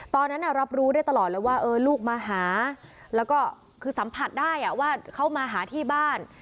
ตอนนั้นรับรู้ได้ตลอดเลยว่าลูกมาหาแล้วก็คือสัมผัสได้ว่าเขามาหาที่บ้าน